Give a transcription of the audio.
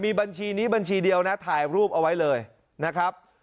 มีบัญชีนี้บัญชีเดียวนะถ่ายรูปเอาไว้เลยนะครับ